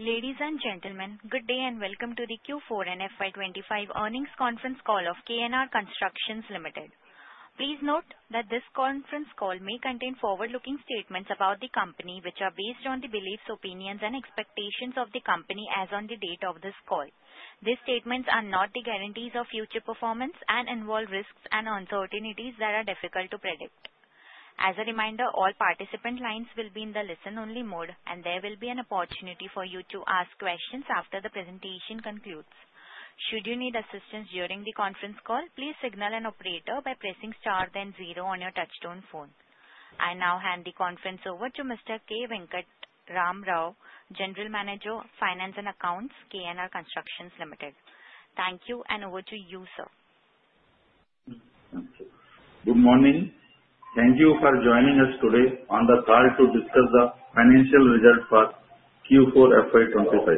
Ladies and gentlemen, good day and welcome to the Q4 and FY25 Earnings Conference Call of KNR Constructions Limited. Please note that this conference call may contain forward-looking statements about the company, which are based on the beliefs, opinions, and expectations of the company as of the date of this call. These statements are not the guarantees of future performance and involve risks and uncertainties that are difficult to predict. As a reminder, all participant lines will be in the listen-only mode, and there will be an opportunity for you to ask questions after the presentation concludes. Should you need assistance during the conference call, please signal an operator by pressing star then zero on your touch-tone phone. I now hand the conference over to Mr. K. Venkatram Rao, General Manager, Finance and Accounts, KNR Constructions Limited. Thank you, and over to you, sir. Good morning. Thank you for joining us today on the call to discuss the financial results for Q4 FY25.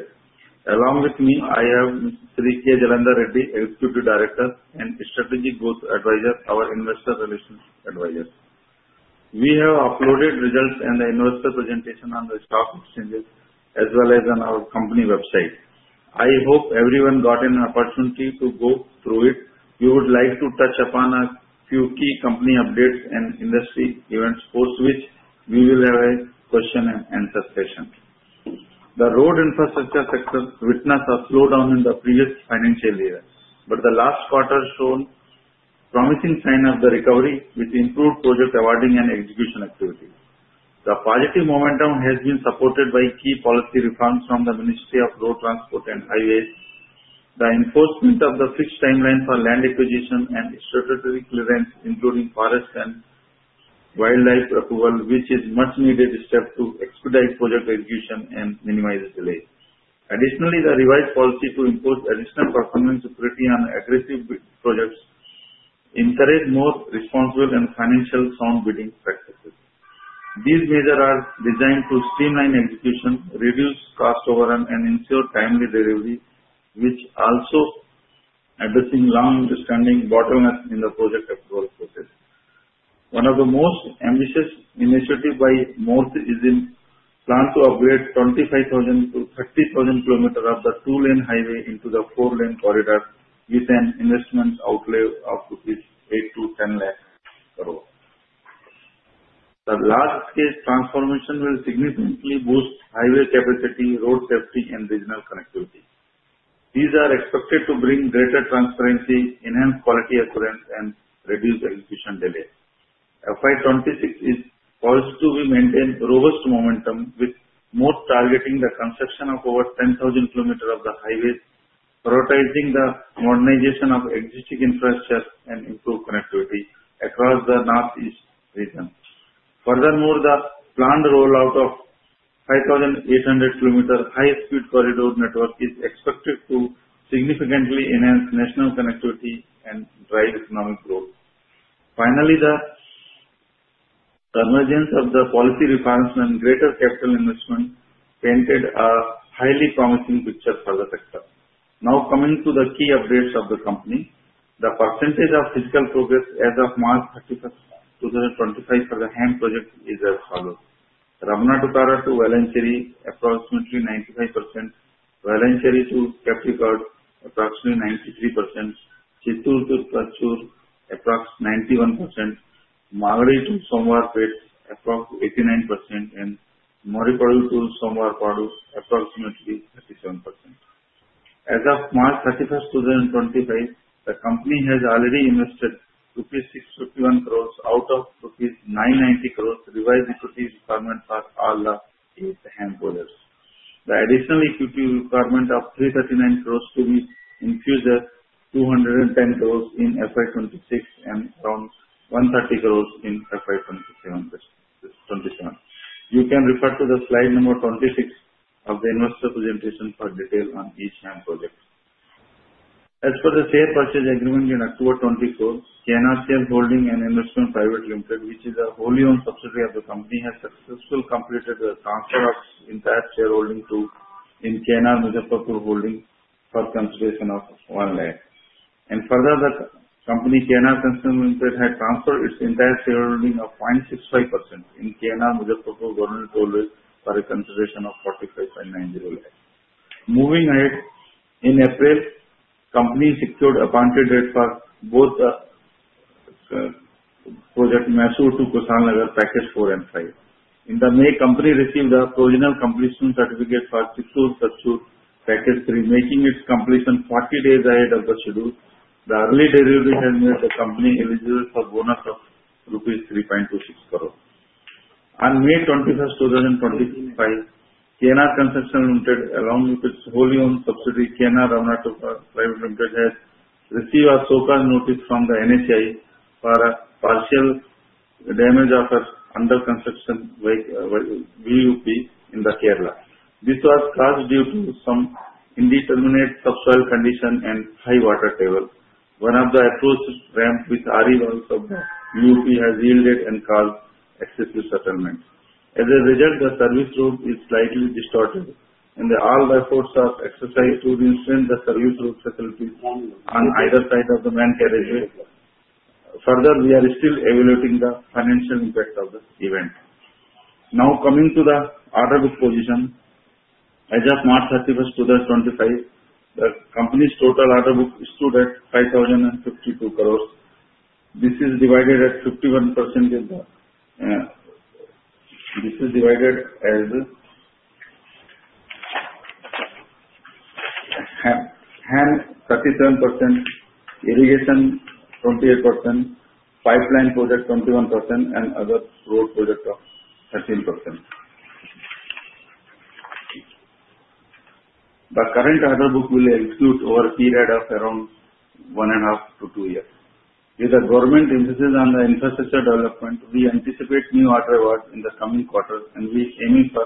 Along with me, I have K. Jalandhar Reddy, Executive Director and Strategic Growth Advisors, our Investor Relations Advisor. We have uploaded results and the investor presentation on the stock exchanges as well as on our company website. I hope everyone got an opportunity to go through it. We would like to touch upon a few key company updates and industry events after which we will have a question and answer session. The road infrastructure sector witnessed a slowdown in the previous financial year, but the last quarter shown promising signs of the recovery with improved project awarding and execution activity. The positive momentum has been supported by key policy reforms from the Ministry of Road Transport and Highways, the enforcement of the fixed timeline for land acquisition, and statutory clearance including forest and wildlife approval, which is a much-needed step to expedite project execution and minimize delays. Additionally, the revised policy to impose additional performance security on aggressive projects encourages more responsible and financial sound bidding practices. These measures are designed to streamline execution, reduce cost overrun, and ensure timely delivery, which also addresses long-standing bottlenecks in the project approval process. One of the most ambitious initiatives by MoRTH is the plan to upgrade 25,000-30,000 kilometers of the two-lane highway into the four-lane corridor with an investment outlay of INR 8-10 lakhs per road. The large-scale transformation will significantly boost highway capacity, road safety, and regional connectivity. These are expected to bring greater transparency, enhance quality assurance, and reduce execution delays. FY26 is poised to maintain robust momentum, with MoRTH targeting the construction of over 10,000 kilometers of the highways, prioritizing the modernization of existing infrastructure and improved connectivity across the northeast region. Furthermore, the planned rollout of 5,800 kilometers of high-speed corridor network is expected to significantly enhance national connectivity and drive economic growth. Finally, the convergence of the policy reforms and greater capital investment painted a highly promising picture for the sector. Now coming to the key updates of the company, the percentage of physical progress as of March 31, 2025, for the HAM project is as follows: Ramanattukara to Valanchery approximately 95%, Valanchery to Kappirikkad approximately 93%, Chittoor to Thatchur approximately 91%, Magadi to Somwarpet approximately 89%, and Marripudi to Somavarappadu approximately 37%. As of March 31, 2025, the company has already invested rupees 651 crores out of rupees 990 crores revised equity requirements for all the HAM projects. The additional equity requirement of 339 crores to be in future 210 crores in FY26 and around 130 crores in FY27. You can refer to the slide number 26 of the investor presentation for detail on each HAM project. As for the share purchase agreement in October 2024, KNR Shareholdings and Investments Private Limited, which is a wholly-owned subsidiary of the company, has successfully completed the transfer of its entire shareholding to KNR Muzaffarpur Holdings Limited for consideration of 1 lakh. And further, the company KNR Constructions Limited had transferred its entire shareholding of 0.65% in KNR Muzaffarpur Holdings Limited for a consideration of 45,900. Moving ahead, in April, the company secured appointed rates for both the project Mysuru to Kushalnagar package 4 and 5. In May, the company received a provisional completion certificate for Chittoor to Thatchur package 3, making its completion 40 days ahead of the schedule. The early delivery has made the company eligible for a bonus of INR 3.26 crores. On May 21, 2025, KNR Constructions Limited, along with its wholly-owned subsidiary KNR Ramanattukara Infra Private Limited, has received a so-called notice from the NHAI for a partial damage of an under-construction VUP in Kerala. This was caused due to some indeterminate subsoil condition and high water table. One of the approach ramps with RE walls of the VUP has yielded and caused excessive settlement. As a result, the service road is slightly distorted, and all efforts are exercised to restrain the service road facilities on either side of the main carriageway. Further, we are still evaluating the financial impact of the event. Now coming to the order book position, as of March 31, 2025, the company's total order book is stood at 5,052 crores. This is divided at 51% in the HAM, 37% irrigation, 28% pipeline project, 21%, and other road project of 13%. The current order book will execute over a period of around one and a half to two years. With the government emphasis on the infrastructure development, we anticipate new order awards in the coming quarters, and we are aiming for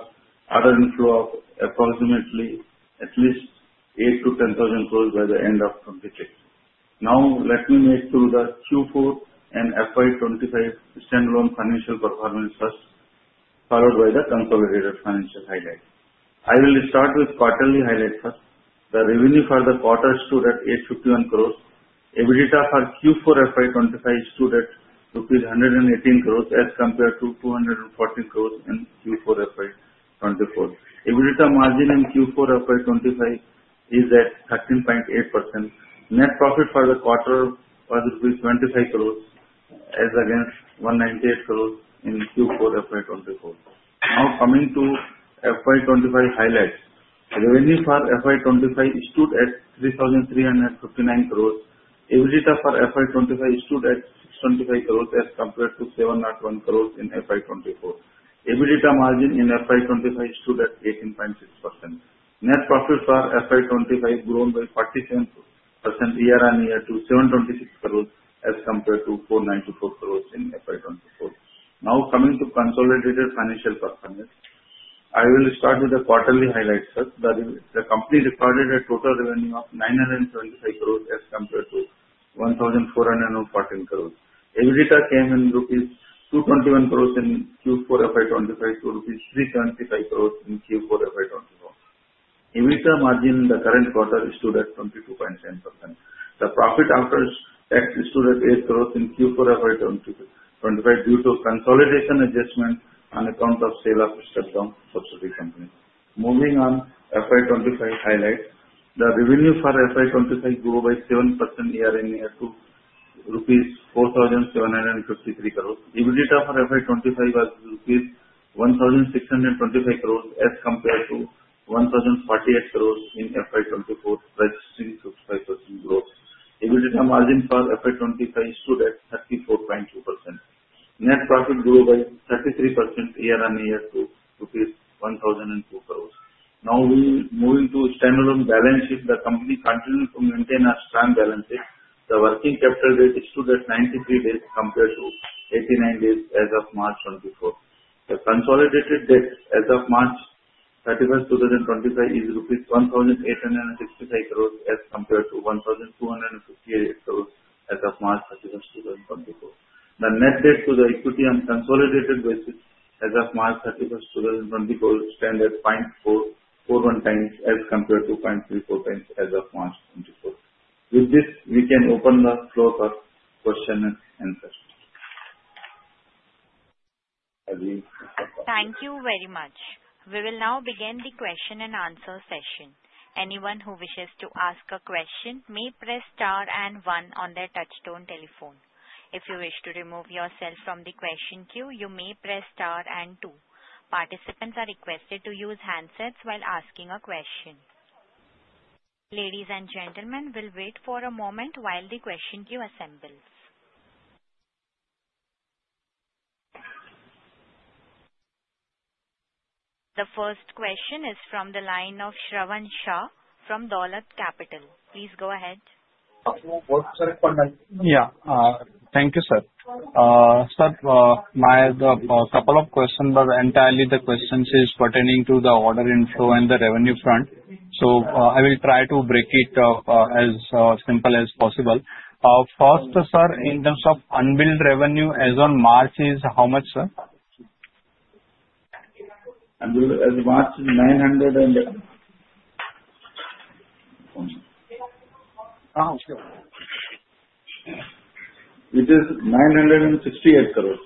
order inflow of approximately at least 8 to 10,000 crores by the end of 2026. Now let me make sure the Q4 and FY25 standalone financial performance first, followed by the consolidated financial highlights. I will start with quarterly highlights first. The revenue for the quarter stood at 851 crores. EBITDA for Q4 FY25 stood at rupees 118 crores as compared to 214 crores in Q4 FY24. EBITDA margin in Q4 FY25 is at 13.8%. Net profit for the quarter was 25 crores as against 198 crores in Q4 FY24. Now coming to FY25 highlights. Revenue for FY25 stood at 3,359 crores. EBITDA for FY25 stood at 625 crores as compared to 701 crores in FY24. EBITDA margin in FY25 stood at 18.6%. Net profit for FY25 grown by 47% year-on-year to 726 crores as compared to 494 crores in FY24. Now coming to consolidated financial performance, I will start with the quarterly highlights first. The company recorded a total revenue of 925 crores as compared to 1,414 crores. EBITDA came in rupees 221 crores in Q4 FY25 to rupees 375 crores in Q4 FY24. EBITDA margin in the current quarter is stood at 22.7%. The profit after tax is stood at INR 8 crores in Q4 FY25 due to consolidation adjustment on account of sale of shutdown subsidy companies. Moving on to FY25 highlights, the revenue for FY25 grew by 7% year-on-year to rupees 4,753 crores. EBITDA for FY25 was rupees 1,625 crores as compared to 1,048 crores in FY24, registering 65% growth. EBITDA margin for FY25 is stood at 34.2%. Net profit grew by 33% year-on-year to 1,002 crores. Now we will move to standalone balance sheet. The company continues to maintain a strong balance sheet. The working capital rate is stood at 93 days compared to 89 days as of March 2024. The consolidated debt as of March 31, 2025, is rupees 1,865 crores as compared to 1,258 crores as of March 31, 2024. The net debt to the equity on consolidated basis as of March 31, 2024, stands at 0.441 times as compared to 0.34 times as of March 2024. With this, we can open the floor for questions and answers. Thank you very much. We will now begin the question and answer session. Anyone who wishes to ask a question may press star and one on their touch-tone telephone. If you wish to remove yourself from the question queue, you may press star and two. Participants are requested to use handsets while asking a question. Ladies and gentlemen, we'll wait for a moment while the question queue assembles. The first question is from the line of Shravan Shah from Dolat Capital. Please go ahead. No work, sir. Yeah. Thank you, sir. Sir, my couple of questions were entirely the questions pertaining to the order inflow and the revenue front. So I will try to break it as simple as possible. First, sir, in terms of unbilled revenue as of March, how much, sir? As of March, it's 900 and. Oh, okay. It is 968 crores.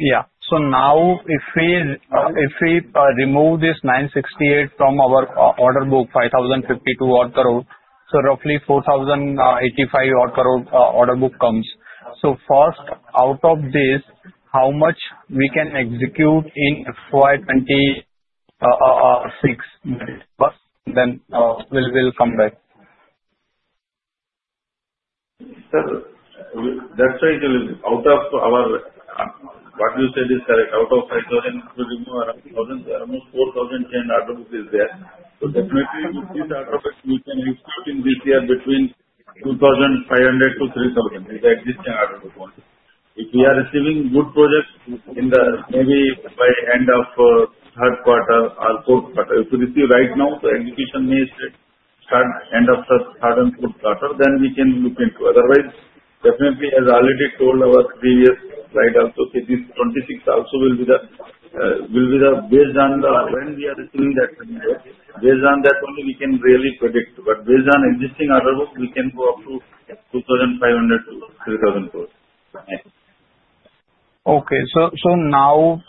Yeah. So now if we remove this 968 from our order book, 5,052 crores, so roughly 4,085 crores order book comes. So first, out of this, how much we can execute in FY26? Then we'll come back. Sir, that's why you will out of our what you said is correct. Out of 5,000, we remove around 4,000 chain order book is there. So definitely, with this order book, we can execute in this year between 2,500-3,000 with the existing order book only. If we are receiving good projects in the maybe by end of third quarter or fourth quarter, if we receive right now, the execution may start end of third and fourth quarter, then we can look into. Otherwise, definitely, as already told our previous slide also, this 26 also will be the based on the. When we are receiving that revenue, based on that only, we can really predict. But based on existing order book, we can go up to 2,500-3,000 crores. Okay. So now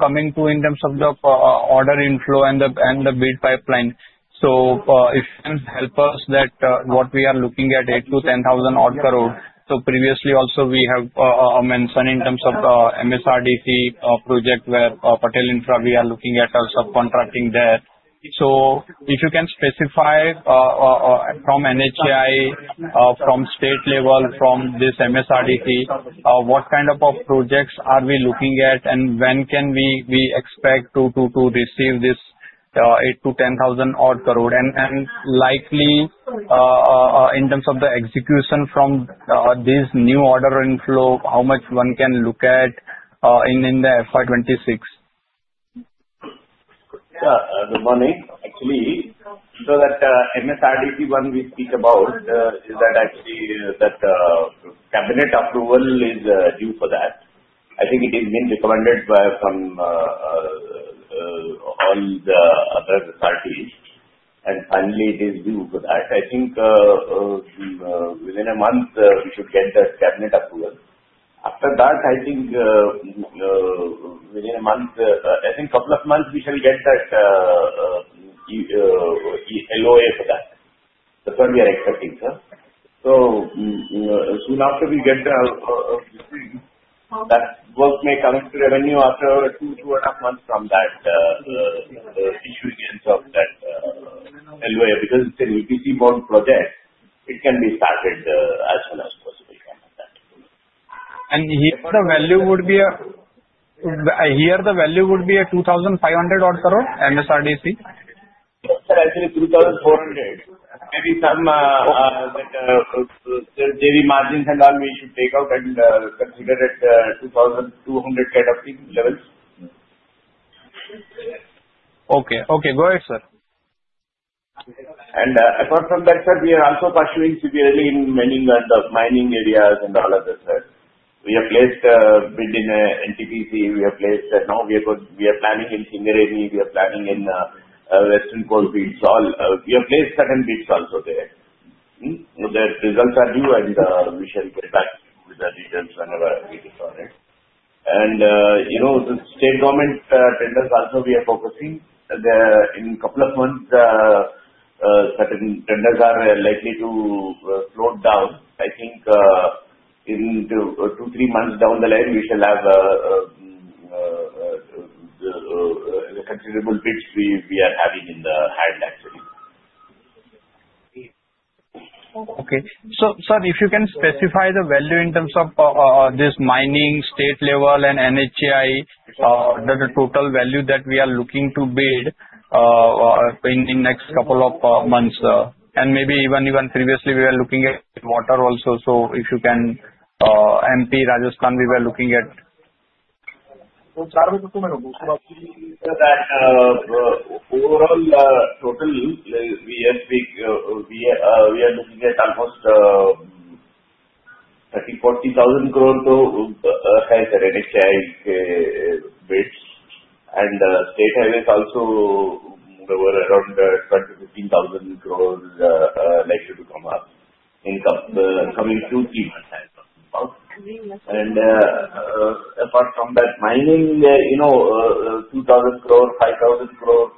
coming to in terms of the order inflow and the bid pipeline, so if you can help us that what we are looking at 8,000-10,000 crores. So previously also we have mentioned in terms of MSRDC project where Patel Infra, we are looking at our subcontracting there. So if you can specify from NHAI, from state level, from this MSRDC, what kind of projects are we looking at and when can we expect to receive this 8,000-10,000 crores? And likely, in terms of the execution from this new order inflow, how much one can look at in the FY26? Yeah. The money, actually, so that MSRDC one we speak about is that actually that cabinet approval is due for that. I think it is being recommended by all the other authorities, and finally, it is due for that. I think within a month, we should get the cabinet approval. After that, I think within a month, I think a couple of months, we shall get that LOA for that. That's what we are expecting, sir. So soon after we get that, that work may come into revenue after two and a half months from that issuance of that LOA because it's an EPC BOT project. It can be started as soon as possible from that. And here the value would be 2,500 crores MSRDC? Yes, sir, actually 2,400. Maybe some savvy margins and all, we should take out and consider it 2,200 kind of levels. Okay. Okay. Go ahead, sir. And apart from that, sir, we are also pursuing seriously in mining and the mining areas and all of that, sir. We have placed within NTPC, we have placed now we are planning in Singareni, we are planning in Western Coalfields, all. We have placed certain bids also there. The results are due and we shall get back with the details whenever we get all right. And the state government tenders also, we are focusing in a couple of months, certain tenders are likely to float down. I think in two or three months down the line, we shall have the considerable bids we are having in the hand, actually. Okay. So sir, if you can specify the value in terms of this mining state level and NHAI, the total value that we are looking to bid in the next couple of months. And maybe even previously, we were looking at water also. So if you can MP Rajasthan, we were looking at. So, sir, I was just going to say that overall total we are looking at almost 30,000-40,000 crores to NHAI bids. And state highways also were around 20,000-15,000 crores likely to come up in the coming two to three months time. And apart from that, mining, 2,000 crores, 5,000 crores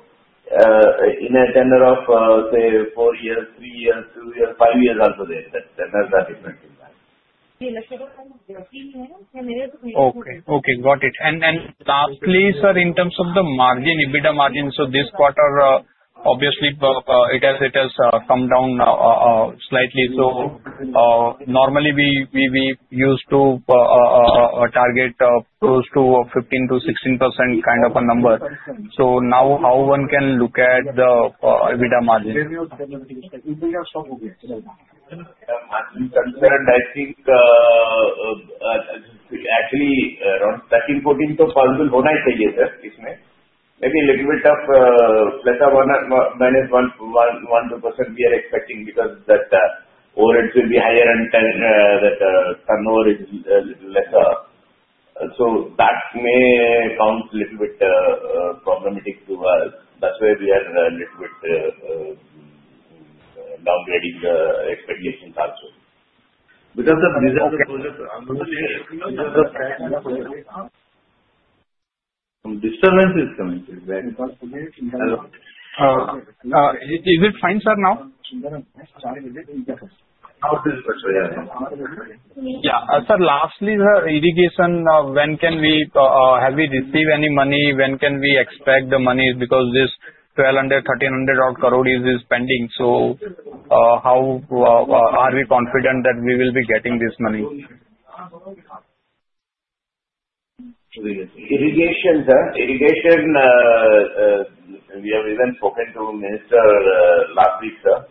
in a tenor of, say, four years, three years, two years, five years also, there are tenors are different in that. Okay. Okay. Got it. And lastly, sir, in terms of the margin, EBITDA margin, so this quarter, obviously, it has come down slightly. So normally, we used to target close to 15%-16% kind of a number. So now how one can look at the EBITDA margin? I think actually around INR 13,000-14,000 crores too possible होना ही चाहिए, sir. इसमें maybe a little bit of lesser minus 1% we are expecting because that overhead will be higher and that turnover is lesser. So that may count a little bit problematic to us. That's why we are a little bit downgrading the expectations also. Because of disturbances coming to the back. Is it fine, sir, now? Yeah. Yeah. Sir, lastly, sir, irrigation, when can we have received any money? When can we expect the money because this 1,200-1,300 crores is pending? So how are we confident that we will be getting this money? Irrigation, sir. Irrigation, we have even spoken to Minister last week, sir.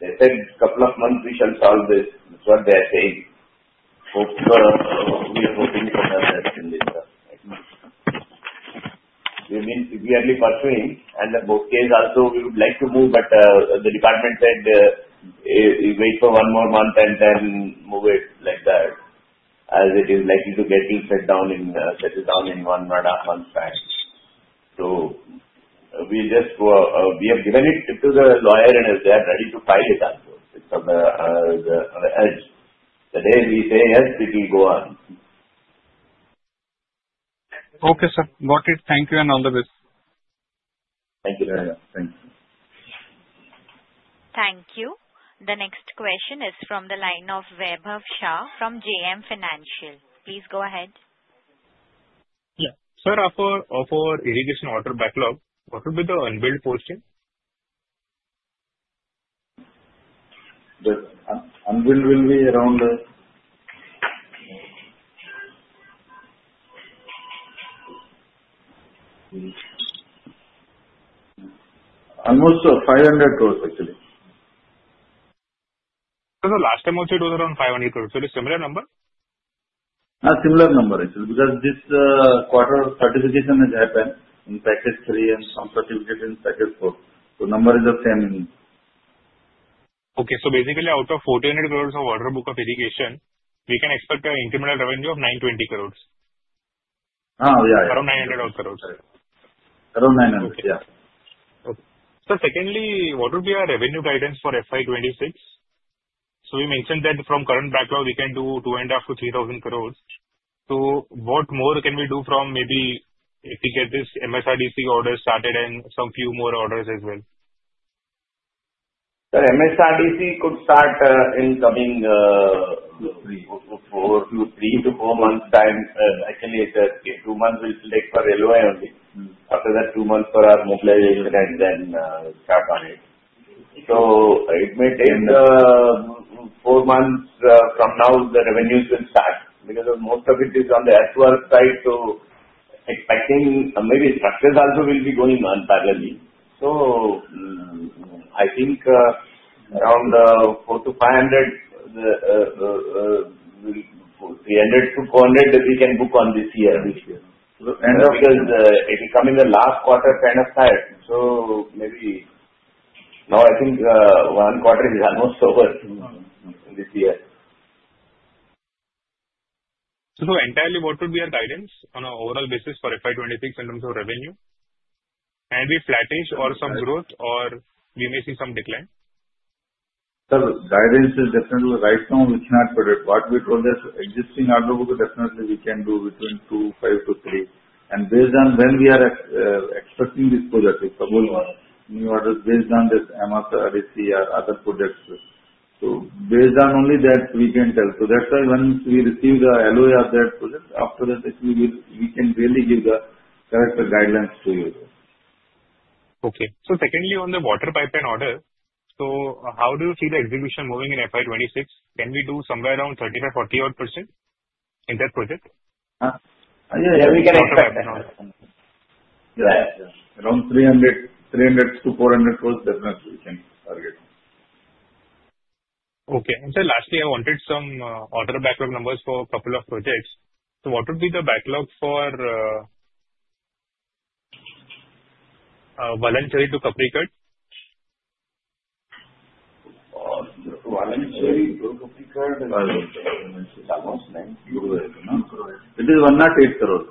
They said a couple of months we shall solve this. That's what they are saying. We are hoping to solve that in this, sir. We are only pursuing. And in both cases, also, we would like to move, but the department said wait for one more month and then move it like that as it is likely to get to set down in one month time. So we have given it to the lawyer and they are ready to file it also. It's on the edge. The day we say yes, we will go on. Okay, sir. Got it. Thank you and all the best. Thank you very much. Thank you. Thank you. The next question is from the line of Vaibhav Shah from JM Financial. Please go ahead. Yeah. Sir, for irrigation water backlog, what would be the unbilled portion? The unbilled will be around almost 500 crores, actually. Sir, the last time also it was around 500 crores. So it is similar number? Similar number, actually, because this quarter certification has happened in package three and some certificate in package four. So number is the same in. Okay. So basically, out of 400 crores of order book of irrigation, we can expect an incremental revenue of 920 crores? Yeah. Around 900 crores? Around 900, yeah. Okay. So secondly, what would be our revenue guidance for FY26? So we mentioned that from current backlog, we can do 2,500-3,000 crores. So what more can we do from maybe if we get this MSRDC order started and some few more orders as well? Sir, MSRDC could start in coming three to four months time. Actually, two months will take for LOA only. After that, two months for our mobilization and then start on it. So it may take four months from now the revenues will start because most of it is on the SWARP side. So expecting maybe structures also will be going on parallelly. So I think around 400-500, 300-400, we can book on this year. Because it is coming the last quarter kind of time. So maybe now I think one quarter is almost over this year. So entirely, what would be our guidance on an overall basis for FY26 in terms of revenue? Can it be flattish or some growth or we may see some decline? Sir, guidance is definitely right now, which not what we told as existing order book, definitely we can do between 2,500-3,000, and based on when we are expecting this project, if I go on new orders based on this MSRDC or other projects, so based on only that, we can tell, so that's why once we receive the LOA of that project, after that, we can really give the correct guidelines to you. Okay. So secondly, on the water pipeline order, so how do you see the execution moving in FY26? Can we do somewhere around 35%-40% in that project? Yeah. We can expect. Yeah. Around 300-400 crores definitely we can target. Okay. And sir, lastly, I wanted some order backlog numbers for a couple of projects. So what would be the backlog for Valanchery to Kappirikkad? Valanchery to Kappirikkad is almost 90. It is 108 crores.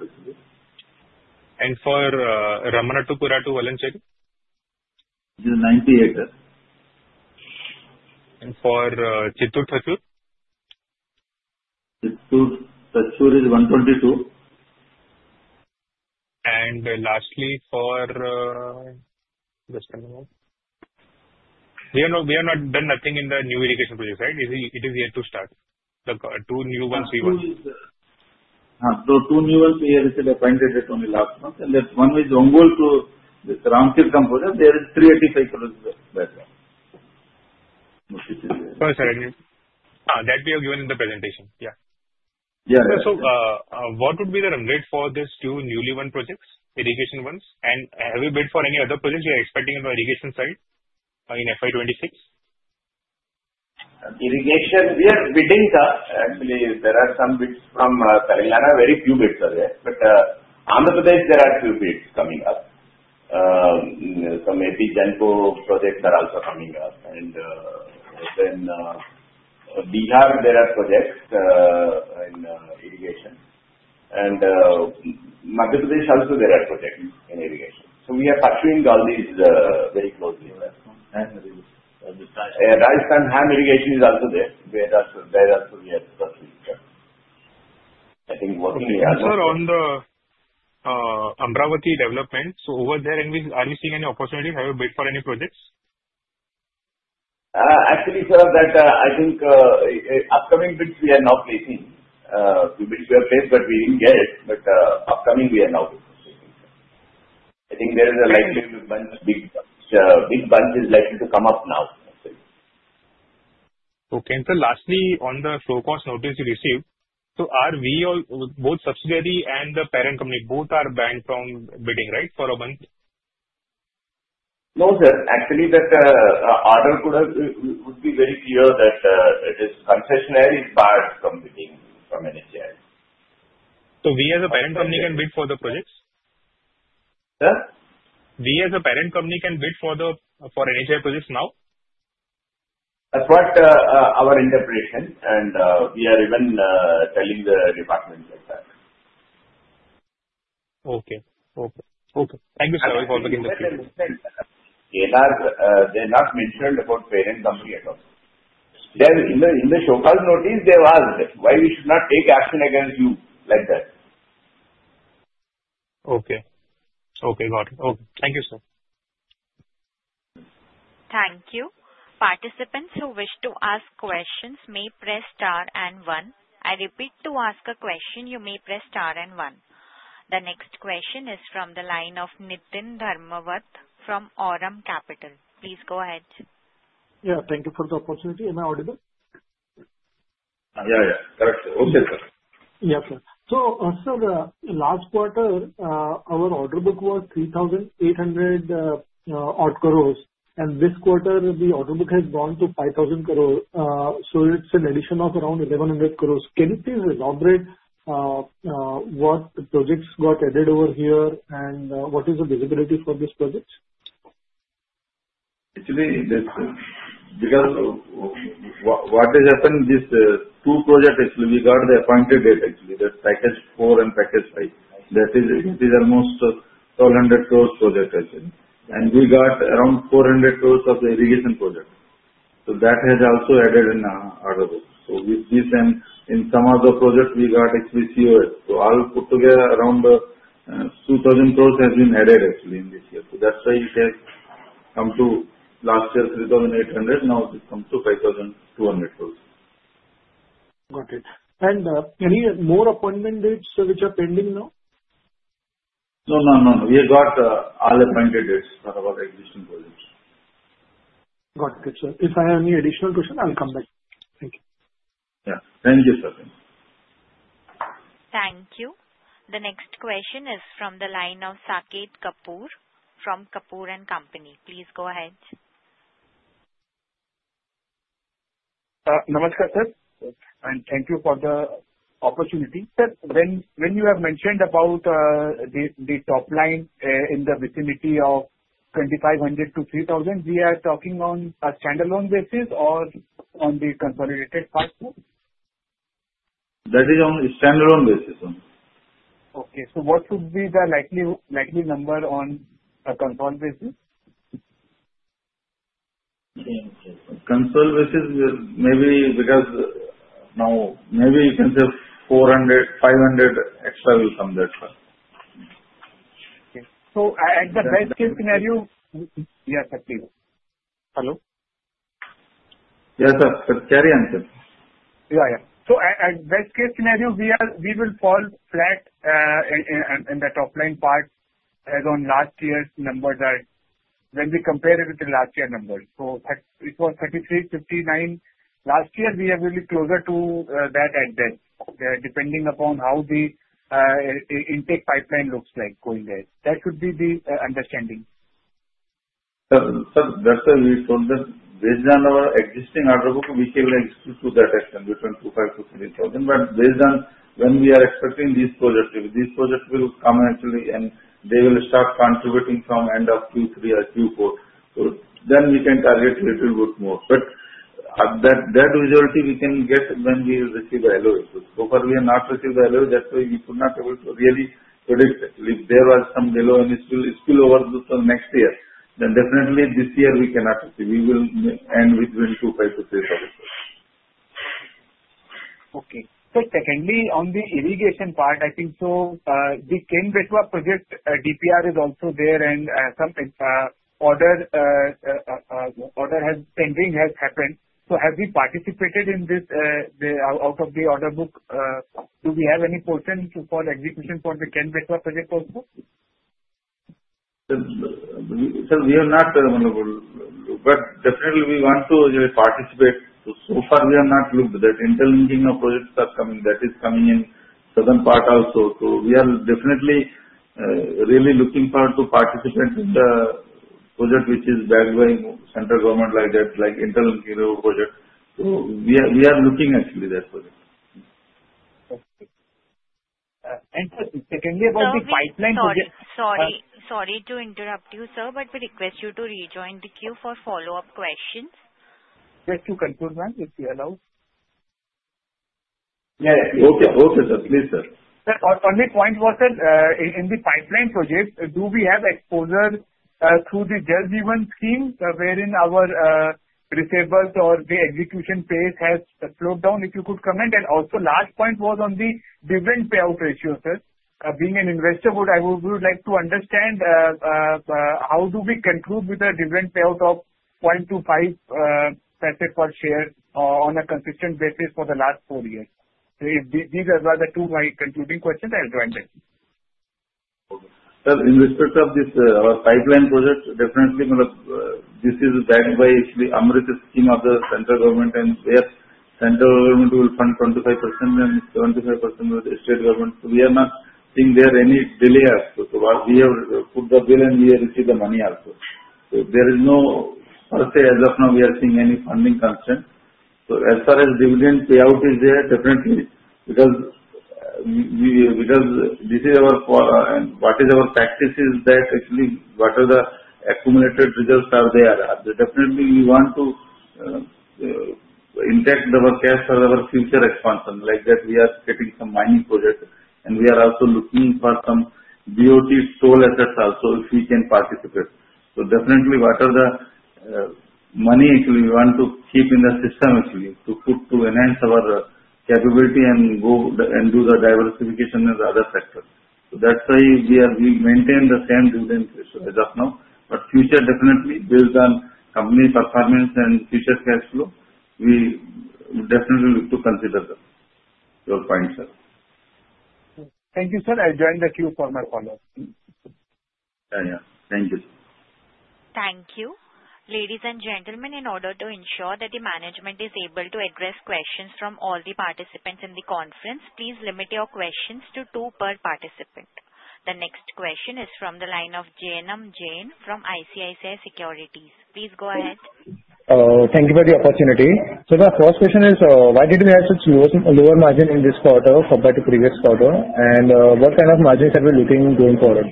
And for Ramanathapuram to Thoothukudi, Valanchery? It is 98. And for Chittoor Thatchur? Chittoor-Thatchur is 122. And lastly, for we have not done nothing in the new irrigation project, right? It is year two start. Two new ones we want. So, two new ones we have appointed it only last month. And that one is Marripudi to Somvarappadu project. There is 385 crores backlog. Sorry, sir. That we have given in the presentation. Yeah. Yeah. So what would be the rate for these two newly won projects, irrigation ones? And have you bid for any other projects you are expecting on the irrigation side in FY26? Irrigation, we are bidding actually. There are some bids from Karnataka, very few bids are there. But Ahmedabad, there are few bids coming up. So maybe GENCO projects are also coming up. Then Bihar, there are projects in irrigation. And Madhya Pradesh also, there are projects in irrigation. So we are pursuing all these very closely. Rajasthan HAM irrigation is also there. There also we are pursuing. I think working in Rajasthan. Sir, on the Amaravati development, so over there, are you seeing any opportunity? Have you bid for any projects? Actually, sir, that I think upcoming bids we are now placing. We placed, but we didn't get it. But upcoming, we are now placing. I think there is a likely big bunch is likely to come up now. Okay. Sir, lastly, on the show cause notice you received, so are we all both the subsidiary and the parent company both banned from bidding, right, for a month? No, sir. Actually, that order would be very clear that it is concessionary part from bidding from NHAI. So we as a parent company can bid for the projects? Sir? We as a parent company can bid for the NHAI projects now? That's what our interpretation. And we are even telling the department like that. Okay. Thank you, sir, for making the point. They are not mentioned about parent company at all. In the show cause notice, they have asked why we should not take action against you like that. Okay. Okay. Got it. Okay. Thank you, sir. Thank you. Participants who wish to ask questions may press star and one. I repeat, to ask a question, you may press star and one. The next question is from the line of Niteen Dharmawat from Aurum Capital. Please go ahead. Yeah. Thank you for the opportunity. Am I audible? Yeah. Yeah. Correct. Okay, sir. Yeah, sir. So sir, last quarter, our order book was 3,800 crores. And this quarter, the order book has gone to 5,000 crores. So it's an addition of around 1,100 crores. Can you please elaborate what projects got added over here and what is the visibility for these projects? Actually, because what has happened, these two projects, we got the appointed date, actually, that package four and package five. That is almost 1,200 crores project, actually. And we got around 400 crores of the irrigation project. So that has also added in our order book. So with this, and in some other projects, we got HBCOS. So all put together, around 2,000 crores has been added, actually, in this year. So that's why it has come to last year 3,800. Now it has come to 5,200 crores. Got it. And any more appointment dates which are pending now? No, no, no, no. We have got all appointed dates for our existing projects. Got it, sir. If I have any additional question, I will come back. Thank you. Yeah. Thank you, sir. Thank you. The next question is from the line of Saket Kapoor, from Kapoor & Company. Please go ahead. Namaskar, sir. And thank you for the opportunity. Sir, when you have mentioned about the top line in the vicinity of 2,500-3,000, we are talking on a standalone basis or on the consolidated basis? That is on a standalone basis. Okay. So what would be the likely number on a consolidated basis? Consolidated basis, maybe because now maybe you can say 400-500 extra will come that far. Okay. So at the best case scenario, yes, sir, please. Hello? Yes, sir. Carry on, sir. Yeah, yeah. So at best case scenario, we will fall flat in the top line part as on last year's numbers when we compare it with the last year's numbers. So it was 3,359 last year. We are really closer to that at best, depending upon how the intake pipeline looks like going there. That should be the understanding. Sir, that's why we told them based on our existing order book, we can extend to that extent between 2,500 to 30,000. But based on when we are expecting these projects, these projects will come actually, and they will start contributing from end of Q3 or Q4. So then we can target a little bit more. But that visibility we can get when we receive the LOA. So far, we have not received the LOA. That's why we could not really predict if there was some LOA and it's still overdue till next year. Then definitely this year we cannot receive. We will end between 2,500 to 3,000. Okay. So secondly, on the irrigation part, I think so the Ken-Betwa project DPR is also there and some order has pending has happened. So have we participated in this out of the order book? Do we have any portion for execution for the Ken-Betwa project also? Sir, we have not looked. But definitely, we want to participate. So far, we have not looked that interlinking of projects are coming. That is coming in southern part also. So we are definitely really looking forward to participate in the project which is backed by central government like that, like interlinking project. So we are looking actually that project. Okay. And secondly, about the pipeline project. Sorry to interrupt you, sir, but we request you to rejoin the queue for follow-up questions. Just to confirm, ma'am, if you allow? Yeah, yeah. Okay, okay, sir. Please, sir. Sir, only point was that in the pipeline project, do we have exposure through the JJM scheme wherein our receivables or the execution phase has slowed down, if you could comment? And also last point was on the dividend payout ratio, sir. Being an investor, I would like to understand how do we conclude with a dividend payout of 0.25% per share on a consistent basis for the last four years? So these are the two of my concluding questions. I'll join them. Sir, in respect of this pipeline project, definitely, this is backed by actually AMRUT scheme of the central government. And yes, central government will fund 25% and 75% with the state government. So we are not seeing there any delay also. So we have put the bill and we have received the money also. So there is no, as of now, we are not seeing any funding concern. So as far as dividend payout is there, definitely, because this is our and what is our practice is that actually whatever the accumulated results are there, definitely we want to inject our cash for our future expansion. Like that, we are getting some mining projects. And we are also looking for some BOT toll assets also, if we can participate. So definitely, whatever the money, actually, we want to keep in the system, actually, to enhance our capability and do the diversification in the other sectors. So that's why we maintain the same dividend as of now. But future, definitely, based on company performance and future cash flow, we definitely look to consider that. Your point, sir. Thank you, sir. I'll join the queue for my follow-up. Yeah, yeah. Thank you. Thank you. Ladies and gentlemen, in order to ensure that the management is able to address questions from all the participants in the conference, please limit your questions to two per participant. The next question is from the line of Jainam Shah from ICICI Securities. Please go ahead. Thank you for the opportunity. So the first question is, why did we have such lower margin in this quarter compared to previous quarter? And what kind of margins are we looking going forward?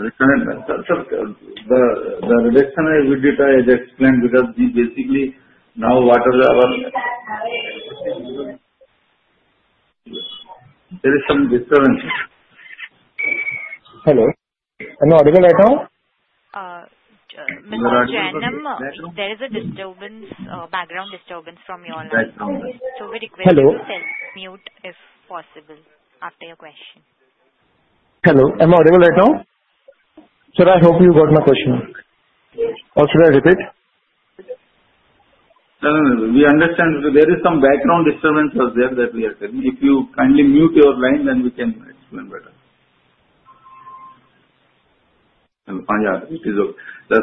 Sir, the reduction I will detail is explained because basically now whatever our there is some disturbance. Hello? No audible right now? Mr. Jainam, there is a disturbance, background disturbance from your line. So we request you to self-mute if possible after your question. Hello. Am I audible right now? Sir, I hope you got my question. Or should I repeat? No, no, no. We understand there is some background disturbance out there that we are getting. If you kindly mute your line, then we can explain better. Yeah, it is okay.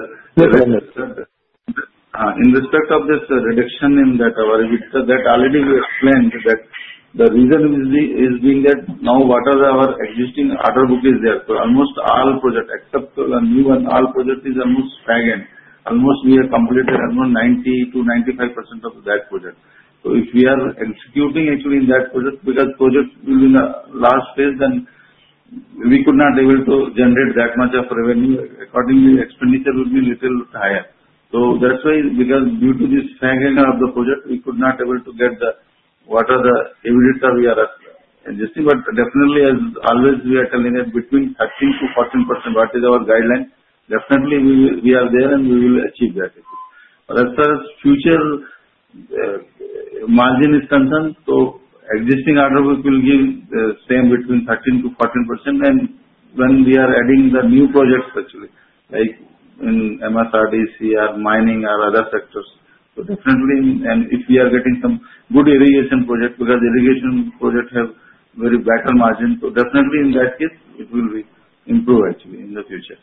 In respect of this reduction in that, that already we explained that the reason is being that now whatever our existing order book is there, so almost all projects, except for the new one, all projects is almost stagnant. Almost we have completed almost 90%-95% of that project. So if we are executing actually in that project, because projects will be in the last phase, then we could not be able to generate that much of revenue. Accordingly, expenditure will be a little higher. So that's why because due to this stagnation of the project, we could not be able to get the whatever the evidence we are adjusting. But definitely, as always, we are telling that between 13%-14%, what is our guideline. Definitely we are there and we will achieve that. As far as future margin is concerned, so existing order book will give the same between 13%-14%. And when we are adding the new projects, actually, like in MSRDC or mining or other sectors, so definitely, and if we are getting some good irrigation projects, because irrigation projects have very better margin, so definitely in that case, it will be improved actually in the future.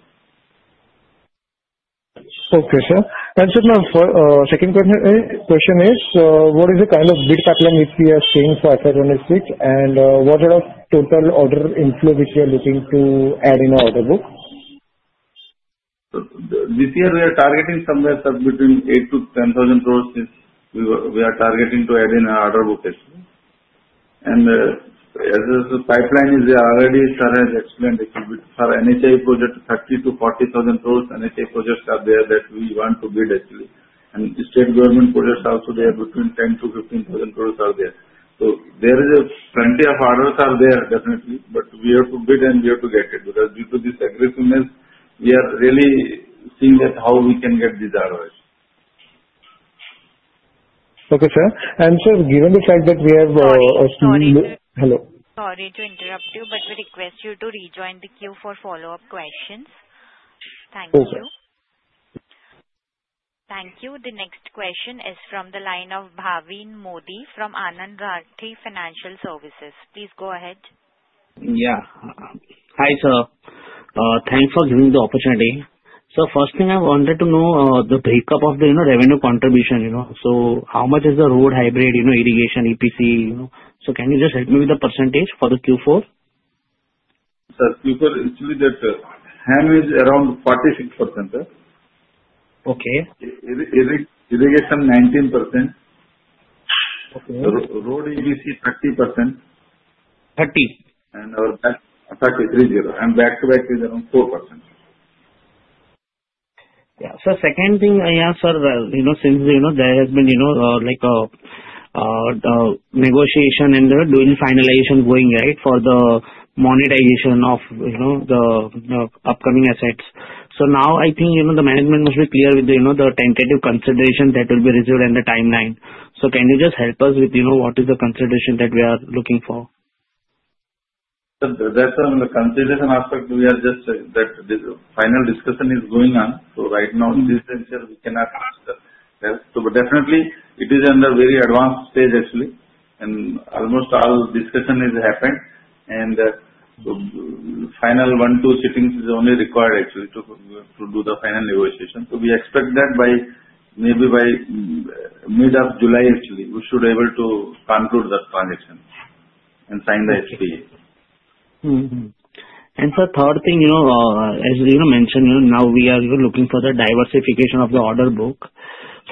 Okay, sir. And sir, my second question is, what is the kind of bid pipeline which we are seeing for FY26? And what are the total order inflow which we are looking to add in our order book? This year, we are targeting somewhere between 8,000-10,000 crores we are targeting to add in our order book actually, and as the pipeline is there, already sir has explained actually for NHAI project, 30,000-40,000 crores NHAI projects are there that we want to bid actually, and state government projects also there between 10,000-15,000 crores are there, so there is plenty of orders are there definitely, but we have to bid and we have to get it because due to this aggressiveness, we are really seeing that how we can get these orders. Okay, sir. And sir, given the fact that we have a small hello. Sorry to interrupt you, but we request you to rejoin the queue for follow-up questions. Thank you. Okay. Thank you. The next question is from the line of Bhavin Modi from Anand Rathi Financial Services. Please go ahead. Yeah. Hi, sir. Thanks for giving the opportunity. So first thing, I wanted to know the breakup of the revenue contribution. So how much is the road hybrid irrigation, EPC? So can you just help me with the percentage for the Q4? Sir, Q4 actually that HAM is around 46%. Okay. Irrigation 19%. Okay. Road EPC 30%. 30. Our backlog 30. Back-to-back is around 4%. Yeah. So second thing, yeah, sir, since there has been like a negotiation and doing finalization going right for the monetization of the upcoming assets. So now I think the management must be clear with the tentative consideration that will be reserved in the timeline. So can you just help us with what is the consideration that we are looking for? Sir, that's on the consideration aspect. We are just that the final discussion is going on. So right now, this isn't sure; we cannot help. So definitely, it is in the very advanced stage, actually. And almost all discussion has happened. And final one, two sittings is only required, actually, to do the final negotiation. So we expect that maybe by mid of July, actually, we should be able to conclude the transaction and sign the SPA. Sir, third thing, as mentioned, now we are looking for the diversification of the order book.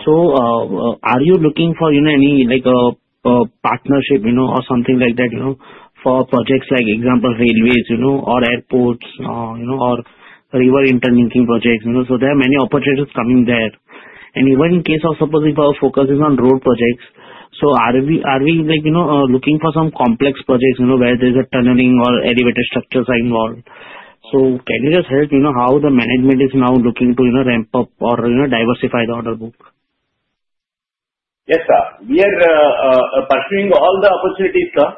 So, are you looking for any partnership or something like that for projects like example railways or airports or river interlinking projects? So, there are many opportunities coming there, and even in case of suppose if our focus is on road projects, so are we looking for some complex projects where there's a tunneling or elevator structures are involved? So, can you just help how the management is now looking to ramp up or diversify the order book? Yes, sir. We are pursuing all the opportunities, sir.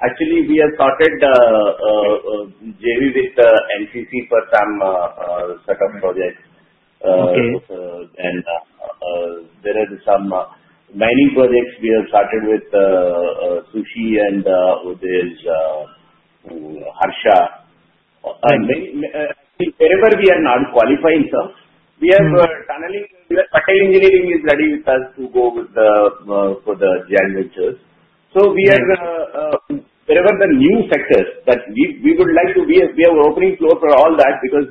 Actually, we have started JV with NCC for some set of projects, and there are some mining projects we have started with Sushee, and there's Harsha. Wherever we are not qualifying, sir, we have tunneling. Patel Engineering is ready with us to go with the joint ventures, so wherever the new sectors that we would like to, we have open floor for all that, because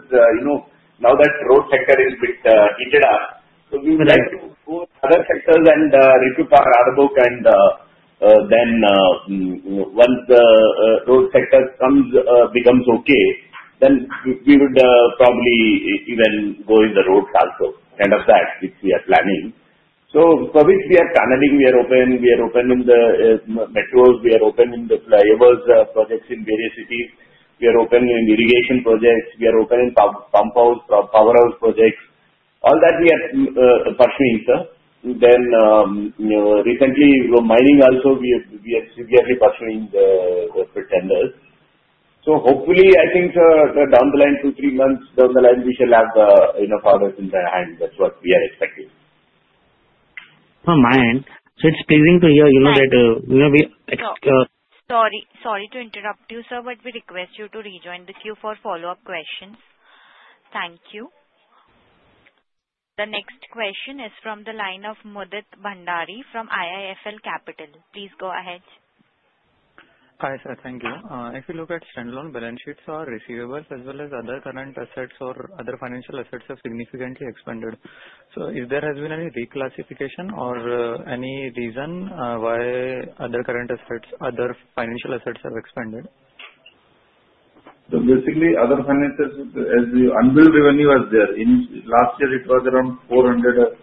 now the road sector is a bit heated up, so we would like to go with other sectors and recoup our order book, and then once the road sector becomes okay, then we would probably even go in the roads also. Kind of that which we are planning, so for which we are tunneling, we are open. We are open in the metros. We are open in the water projects in various cities. We are open in irrigation projects. We are open in pump houses, powerhouse projects. All that we are pursuing, sir. Then recently, mining also, we are seriously pursuing the tenders. So hopefully, I think down the line, two, three months down the line, we shall have the orders in their hands. That's what we are expecting. My end. So it's pleasing to hear that we. Sorry to interrupt you, sir, but we request you to rejoin the queue for follow-up questions. Thank you. The next question is from the line of Mudit Bhandari from IIFL Capital. Please go ahead. Hi, sir. Thank you. If you look at standalone balance sheets or receivables as well as other current assets or other financial assets have significantly expanded. So if there has been any reclassification or any reason why other current assets, other financial assets have expanded? So basically, other financials, as the unbilled revenue was there, last year it was around 400.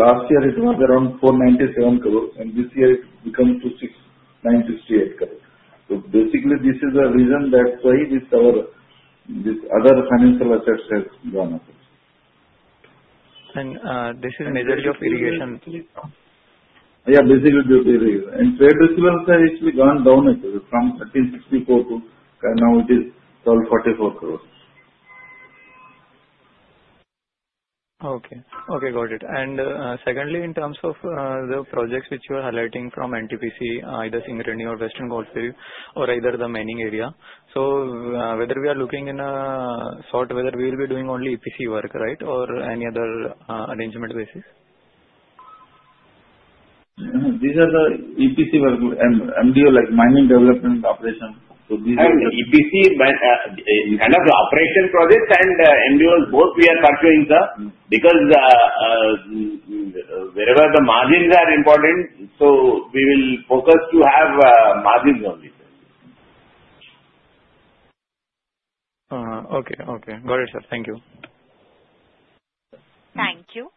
Last year, it was around 497 crores. And this year, it becomes to 968 crores. So basically, this is the reason that's why these other financial assets have gone up. This is majority of irrigation. Yeah, basically due to irrigation, and trade receivables have actually gone down from 1,364 crores to now it is 1,244 crores. Okay. Okay, got it. And secondly, in terms of the projects which you are highlighting from NTPC, either Singareni or Western Coalfields or either the mining area, so whether we are looking in a sort whether we will be doing only EPC work, right, or any other arrangement basis? These are the EPC work and MDO, like mine developer and operator. So these are. EPC, kind of the operation projects and MDOs, both we are pursuing, sir, because wherever the margins are important, so we will focus to have margins only. Okay. Okay. Got it, sir. Thank you. Thank you.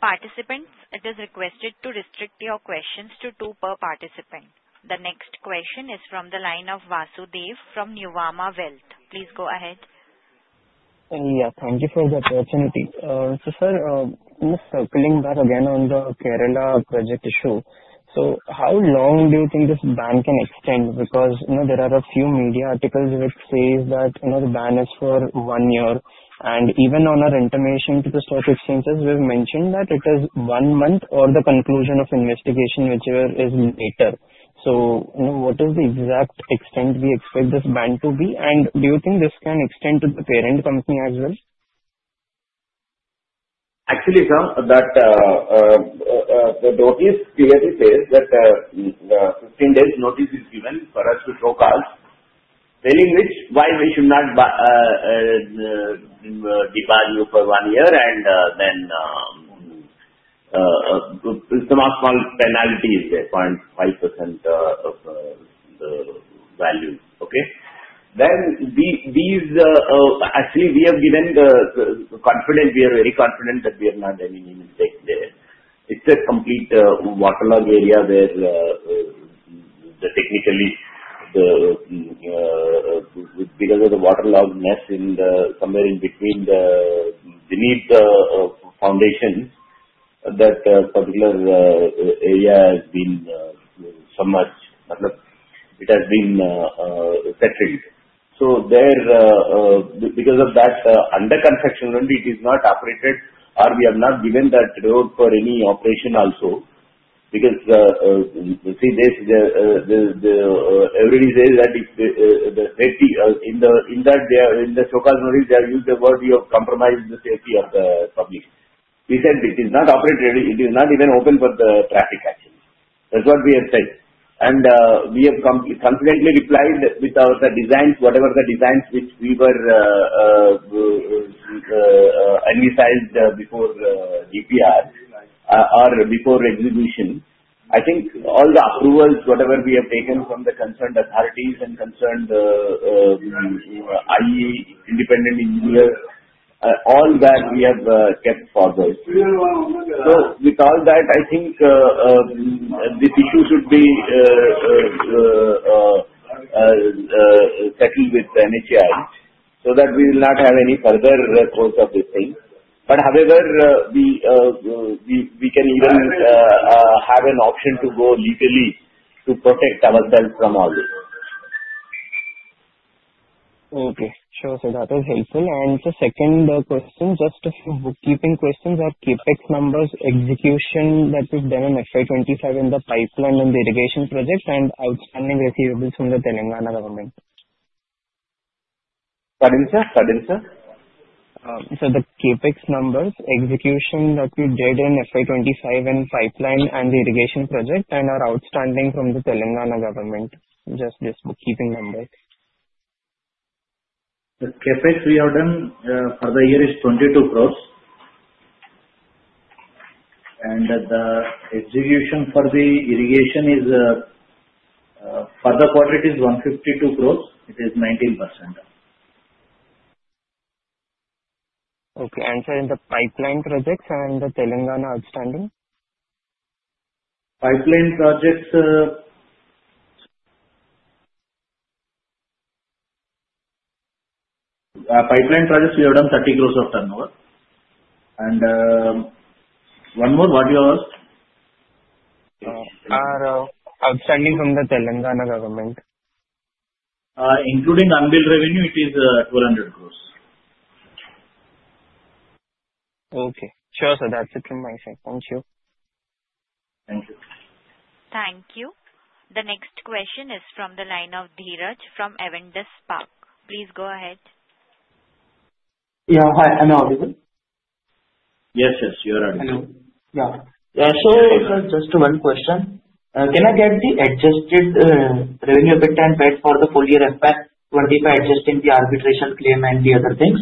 Participants, it is requested to restrict your questions to two per participant. The next question is from the line of Vasudev from Nuvama Wealth. Please go ahead. Yeah. Thank you for the opportunity. So, sir, just circling back again on the Kerala project issue. So how long do you think this BAN can extend? Because there are a few media articles which say that the BAN is for one year. And even on our intimation to the stock exchanges, we have mentioned that it is one month or the conclusion of investigation whichever is later. So what is the exact extent we expect this BAN to be? And do you think this can extend to the parent company as well? Actually, sir, the notice clearly says that 15 days notice is given for us to show cause, telling why we should not debar you for one year and then some small penalties there, 0.5% value. Okay? Then this actually, we have given confidence, we are very confident that we have not any mistake there. It's a complete waterlogged area where technically, because of the waterloggedness in somewhere in between beneath the foundation, that particular area has been softened, it has been settled. So because of that under construction, it is not operated or we have not given that road for any operation also. Because see, everybody says that in that show cause, they have used the word, "You have compromised the safety of the public." We said it is not operated. It is not even open for the traffic actually. That's what we have said. And we have confidently replied with our designs, whatever the designs which we were advertised before DPR or before execution. I think all the approvals, whatever we have taken from the concerned authorities and concerned IE, independent engineers, all that we have kept forward. So with all that, I think this issue should be settled with NHAI so that we will not have any further course of this thing. But however, we can even have an option to go legally to protect ourselves from all this. Okay. Sure. So that is helpful. And the second question, just a few bookkeeping questions or capex numbers, execution that you've done in FY25 in the pipeline and the irrigation projects and outstanding receivables from the Telangana government. Pardon, sir? Pardon, sir? The EPC numbers, execution that you did in FY25 in pipeline and the irrigation project and are outstanding from the Telangana government. Just this bookkeeping number. The capex we have done for the year is 22 crores. And the execution for the irrigation is for the quarter is 152 crores. It is 19%. Okay. And, sir, in the pipeline projects and the Telangana outstanding? Pipeline projects. Pipeline projects we have done 30 crores of turnover. And one more, what do you ask? Outstanding from the Telangana government. Including unbilled revenue, it is 1,200 crores. Okay. Sure. So that's it from my side. Thank you. Thank you. Thank you. The next question is from the line of Dheeraj from Avendus Spark. Please go ahead. Yeah. Hi. Am I audible? Yes, yes. You are audible. Hello. Yeah. So sir, just one question. Can I get the adjusted revenue guidance for the full year FY25 adjusting the arbitration claim and the other things?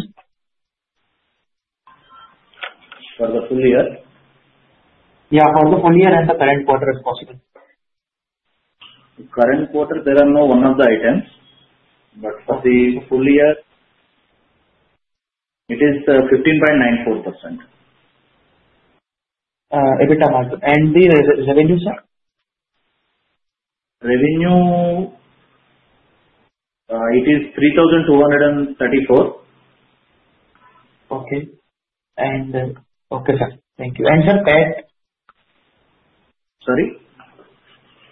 For the full year? Yeah. For the full year and the current quarter if possible. Current quarter, there are none of the items. But for the full year, it is 15.94%. A bit about. And the revenue, sir? Revenue, it is 3,234. Okay. And okay, sir. Thank you. And sir, PAT? Sorry?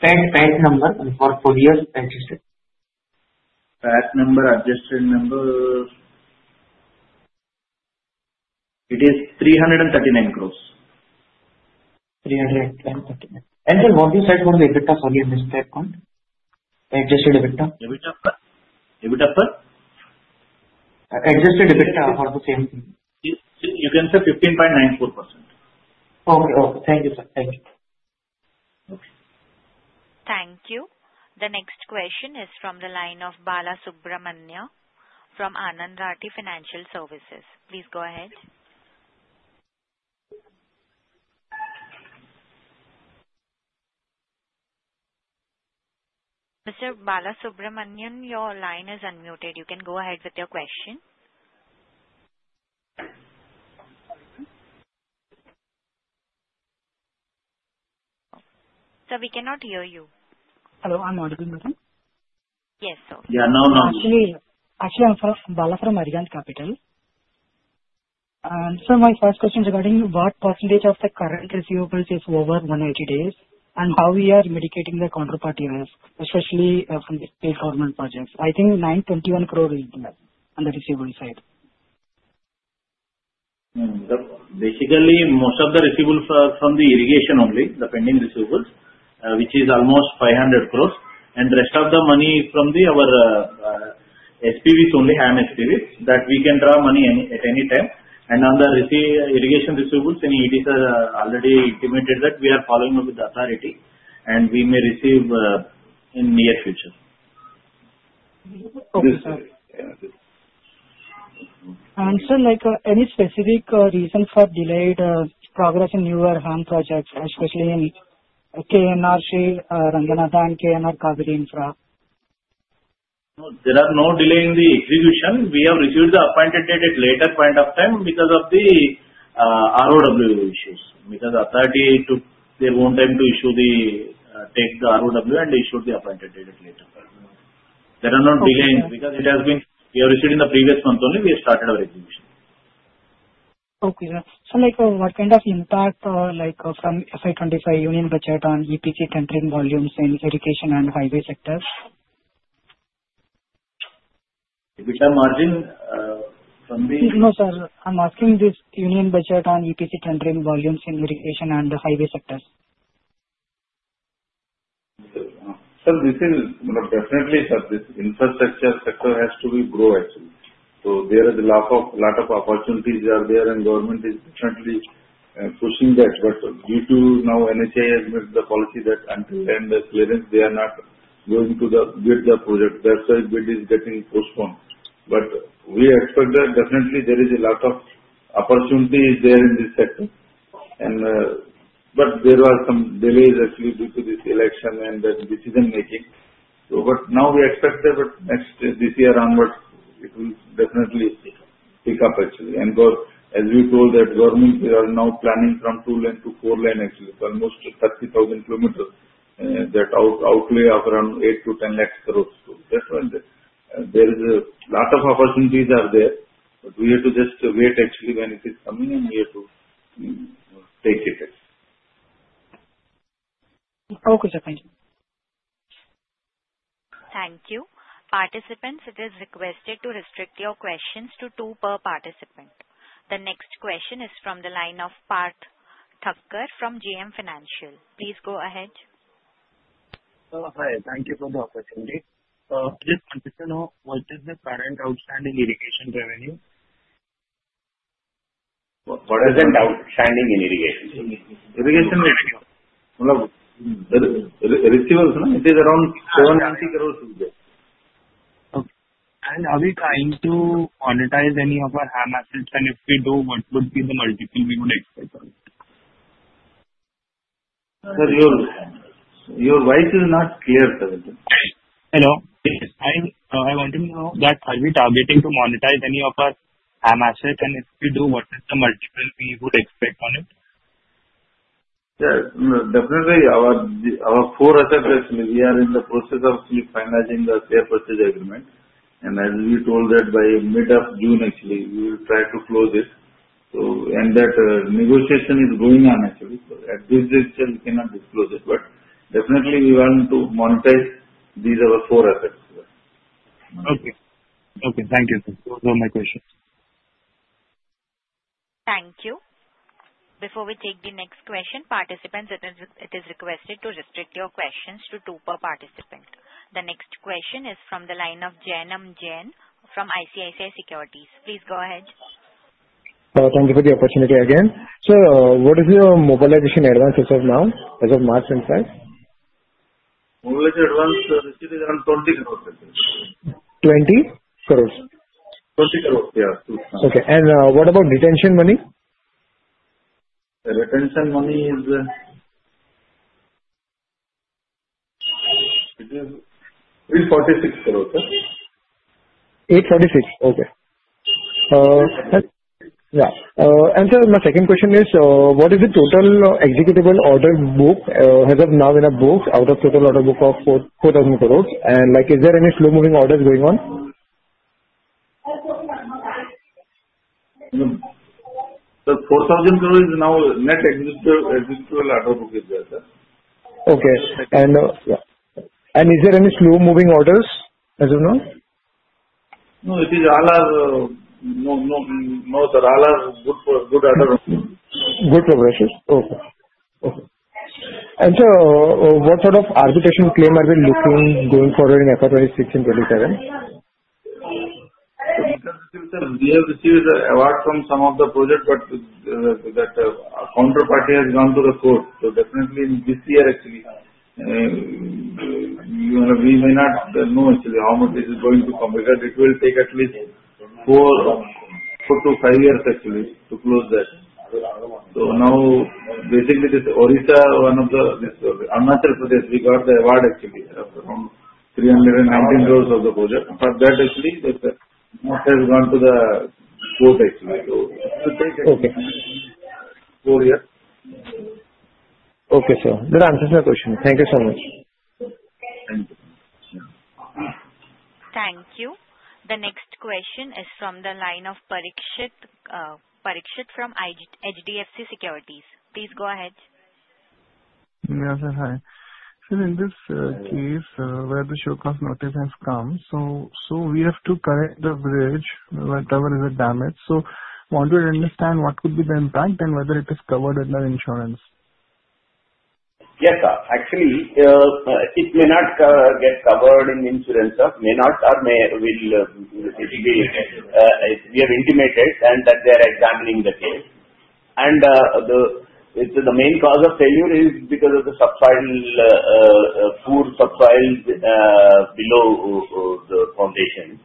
PAT number for full year adjusted? PAT number, adjusted number, it is 339 crores. And sir, what do you say for the EBITDA for the MSPAC account? Adjusted EBITDA? EBITDA per? EBITDA per? Adjusted EBITDA for the same thing. You can say 15.94%. Okay. Okay. Thank you, sir. Thank you. Okay. Thank you. The next question is from the line of Bala Subramanian from Anand Rathi Financial Services. Please go ahead. Mr. Bala Subramanian, your line is unmuted. You can go ahead with your question. Sir, we cannot hear you. Hello. I'm audible now? Yes, sir. Yeah. Now, now. Actually, I'm Bala from Arihant Capital, and sir, my first question is regarding what percentage of the current receivables is over 180 days and how we are mitigating the counterparty risk, especially from the state government projects. I think 921 crores is the receivable side. Basically, most of the receivables are from the irrigation only, the pending receivables, which is almost 500 crores. And the rest of the money from our SPVs only, HAM SPVs, that we can draw money at any time. And on the irrigation receivables, it is already intimated that we are following up with the authority and we may receive in the near future. Sir, any specific reason for delayed progress in newer HAM projects, especially in KNR Sriranganatha and KNR Kaveri Infra? There are no delay in the execution. We have received the appointed date at a later point of time because of the ROW issues. Because the authority took their own time to issue the take the ROW and issued the appointed date at a later point. There are no delays because we have received in the previous month only. We have started our execution. Okay. Sir, what kind of impact from FY25 union budget on EPC tendering volumes in irrigation and highway sectors? EBITDA margin from the? No, sir. I'm asking this Union Budget on EPC tendering volumes in irrigation and highway sectors. Sir, this is definitely, sir, this infrastructure sector has to be grown actually. So there is a lot of opportunities that are there and government is definitely pushing that. But due to now NHAI has made the policy that until the end of clearance, they are not going to bid the project. That's why the bid is getting postponed. But we expect that definitely there is a lot of opportunity there in this sector. And but there were some delays actually due to this election and the decision-making. But now we expect that next this year onwards, it will definitely pick up actually. And as we told that government, we are now planning from two lane to four lane actually for almost 30,000 km that outlay of around 8-10 lakh crores. So that's why there is a lot of opportunities are there. But we have to just wait actually when it is coming and we have to take it. Okay, sir. Thank you. Thank you. Participants, it is requested to restrict your questions to two per participant. The next question is from the line of Parth Thakkar from JM Financial. Please go ahead. Hi. Thank you for the opportunity. Just wanted to know, what is the current outstanding irrigation revenue? What is the outstanding irrigation revenue? Irrigation revenue. Receivables, it is around INR 7.70 crores will go. Okay. And are we trying to monetize any of our HAM assets? And if we do, what would be the multiple we would expect on it? Sir, your voice is not clear, sir. Hello? I wanted to know that are we targeting to monetize any of our HAM assets? And if we do, what is the multiple we would expect on it? Yeah. Definitely, our four assets, we are in the process of finalizing the share purchase agreement. And as we told that by mid of June actually, we will try to close it. So and that negotiation is going on actually. But at this stage, we cannot disclose it. But definitely, we want to monetize these other four assets. Okay. Okay. Thank you, sir. Those are my questions. Thank you. Before we take the next question, participants, it is requested to restrict your questions to two per participant. The next question is from the line of Jainam Shah from ICICI Securities. Please go ahead. Thank you for the opportunity again. Sir, what is your mobilization advance as of now, as of March 25? Mobilization advance is around 200,000,000. 20 crores? 20 crores, yeah. Okay, and what about retention money? Retention money is INR 846 crores, sir. Okay. Yeah. And sir, my second question is, what is the total executable order book as of now in a book out of total order book of 4,000 crores? And is there any slow-moving orders going on? Sir, 4,000 crores is now net executable order book is there, sir. Okay. And is there any slow-moving orders as of now? No, it is all in order, sir. All are good order books. Good progressions. Okay. And sir, what sort of arbitration claim are we looking going forward in FY26 and FY27? We have received awards from some of the projects, but that counterparty has gone to the court, so definitely this year actually, we may not know actually how much this is going to come because it will take at least four to five years actually to close that. So now, basically, this Odisha, one of the Arunachal Pradesh, we got the award actually around INR 319 crores of the project. But that actually has gone to the court actually, so it will take actually four years. Okay, sir. That answers my question. Thank you so much. Thank you. Thank you. The next question is from the line of Parikshit from HDFC Securities. Please go ahead. Yes, sir. Hi. Sir, in this case, where the show cause notice has come, so we have to correct the bridge, whatever is the damage. So I want to understand what could be the impact and whether it is covered under insurance. Yes, sir. Actually, it may not get covered in insurance, sir. May not or will be. We have intimated and that they are examining the case. And the main cause of failure is because of the subsoil, poor subsoil below the foundation.